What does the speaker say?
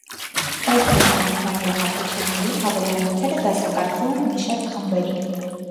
Ըստ նշանակման և հատկությունների հավելանյութերը դասակարգվում են մի շարք խմբերի։